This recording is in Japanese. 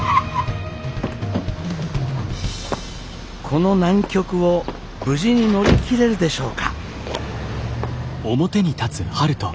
この難局を無事に乗り切れるでしょうか。